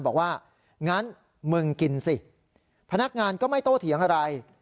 บอกว่างั้นมึงกินสิพนักงานก็ไม่โตเถียงอะไร